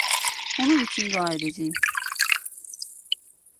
Onun için dua edeceğim.